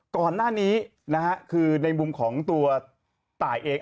ก่อนหน้านี้นะฮะคือในมุมของตัวตายเอง